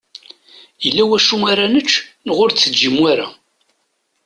Yella wacu ara nečč neɣ ur d-teǧǧim wara?